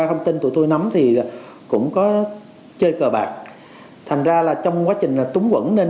thông tin tụi tôi nắm thì cũng có chơi cờ bạc thành ra là trong quá trình túng quẩn nên